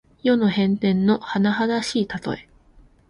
世の変転のはなはだしいたとえ。